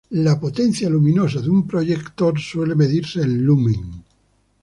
La potencia luminosa de un proyector suele medirse en lumen.